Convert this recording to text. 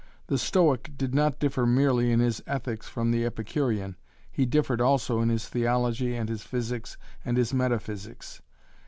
The Stoic did not differ merely in his ethics from the Epicurean; he differed also in his theology and his physics and his metaphysics.